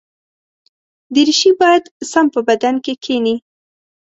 دریشي باید سم په بدن کې کېني.